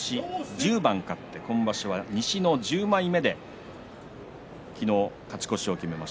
１０番勝って今場所は西の１０枚目昨日、勝ち越しを決めています。